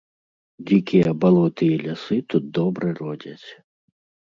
Дзікія балоты і лясы тут добра родзяць.